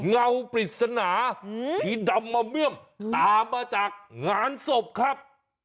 เงาปริศนาสีดำมาเบี้ยมตามมาจากงานศพครับ